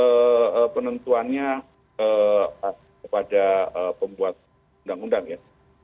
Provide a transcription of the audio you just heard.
sistem pemilih itu sebenarnya kan penentuannya kepada pembuat undang undang ya